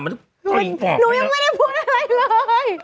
หนูยังไม่ได้พูดอะไรเลย